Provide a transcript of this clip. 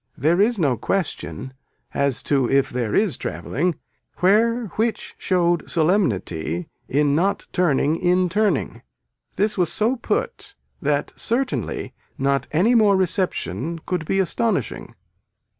There is no question as to if there is travelling where which showed solemnity in not turning in turning. This was so put that certainly not any more reception could be astonishing.